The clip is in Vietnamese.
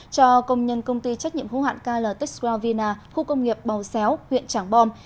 cho công nhân công ty trách nhiệm hữu hạn kl techsquare vina khu công nghiệp bào xéo huyện trảng bom